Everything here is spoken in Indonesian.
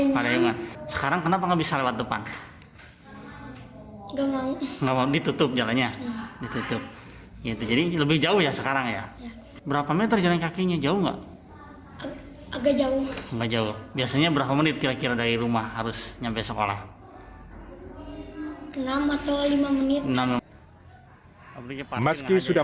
meski sudah menyiapkan angkutan